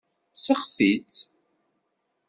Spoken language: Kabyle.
Seɣti-tt.